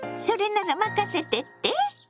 それなら任せてって？